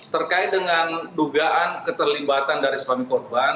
terkait dengan dugaan keterlibatan dari suami korban